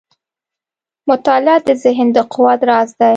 • مطالعه د ذهن د قوت راز دی.